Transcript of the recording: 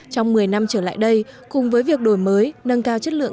trong một mươi năm trở lại đây cùng với việc đổi mới nâng cao chất lượng